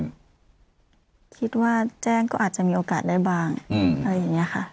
คิดว่าแจ้งก็อาจจะมีโอกาสได้บ้างอะไรอย่างนี้ค่ะ